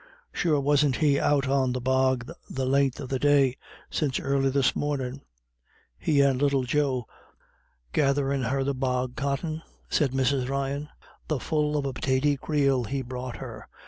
"Sure wasn't he out on the bog the len'th of the day, since early this mornin', he and little Joe, gadrin' her the bog cotton?" said Mrs. Ryan. "The full of a pitaty creel he brought her.